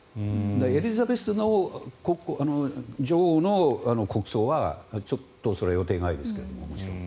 エリザベス女王の国葬はちょっとそれは予定外ですが。